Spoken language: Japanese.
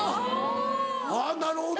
あなるほど。